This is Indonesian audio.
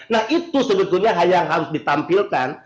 nah itu sebetulnya yang harus ditampilkan